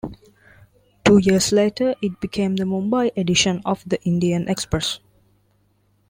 Two years later it became the Mumbai edition of "The Indian Express".